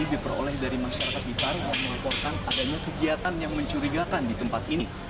diperoleh dari masyarakat sekitar yang melaporkan adanya kegiatan yang mencurigakan di tempat ini